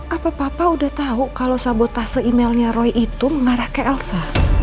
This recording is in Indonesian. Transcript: apa papa udah tahu kalau sabotase emailnya roy itu mengarah ke elsa